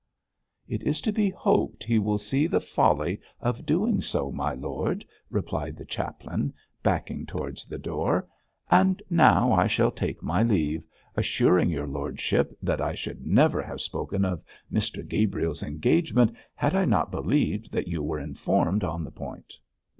'It is to be hoped he will see the folly of doing so, my lord,' replied the chaplain, backing towards the door, 'and now I shall take my leave, assuring your lordship that I should never have spoken of Mr Gabriel's engagement had I not believed that you were informed on the point.'